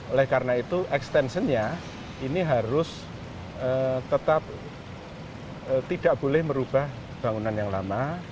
oleh karena itu extensionnya ini harus tetap tidak boleh merubah bangunan yang lama